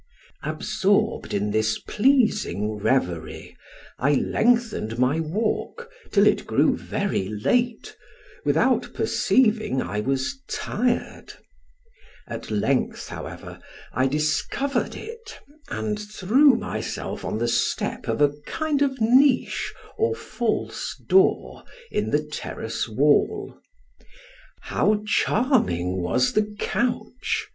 Absorbed in this pleasing reverie, I lengthened my walk till it grew very late, without perceiving I was tired; at length, however, I discovered it, and threw myself on the step of a kind of niche, or false door, in the terrace wall. How charming was the couch!